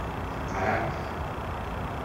Feqɛeɣ.